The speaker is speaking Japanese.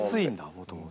もともと。